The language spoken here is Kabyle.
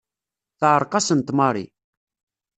Teɛreq-asent Mary.